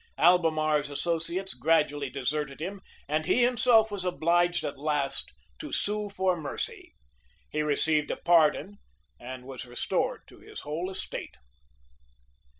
Albemarle's associates gradually deserted him; and he himself was obliged at last to sue for mercy. He received a pardon, and was restored to his whole estate.